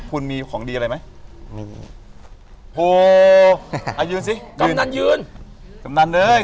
คุณมีของดีอะไรไหมมีโหอ่ายืนสิกำนันยืนกำนันเลย